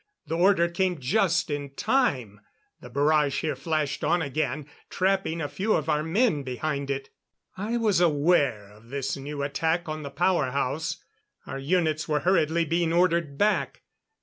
The order came just in time; the barrage here flashed on again, trapping a few of our men behind it. I was aware of this new attack on the power house. Our units were hurriedly being ordered back.